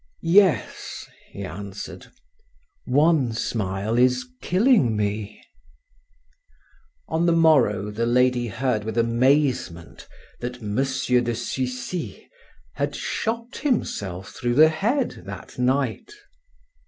"Yes," he answered; "one smile is killing me " On the morrow the lady heard with amazement that M. de Sucy had shot himself through the head that night.